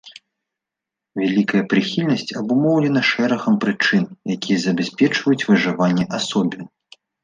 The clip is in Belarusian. Вялікая прыхільнасць абумоўлена шэрагам прычын, якія забяспечваюць выжыванне асобін.